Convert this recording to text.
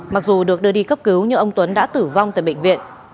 mặc dù được đưa đi cấp cứu nhưng ông tuấn đã tử vong tại bệnh viện